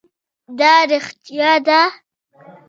دا رښتیا ده